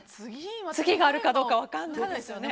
次があるかどうか分からないですよね。